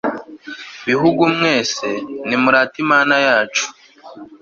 bihugu mwese, nimurate imana yacu